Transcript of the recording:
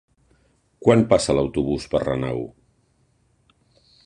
Quan passa l'autobús per Renau?